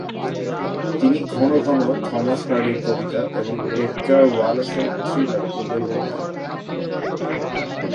তিনি ঘন ঘন থমাস হার্ডির কবিতা এবং এডগার ওয়ালেসের থ্রিলার উভয়ই পড়তেন।